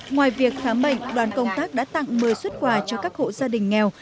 ngoài việc khám bệnh đoàn công tác đã tặng một mươi xuất quà cho các hộ gia đình nghèo